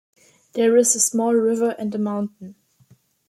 There is a small river and a mountain.